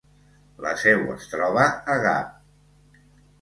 La seu es troba a Gap.